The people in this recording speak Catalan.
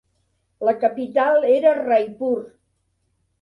La capital era Raipur.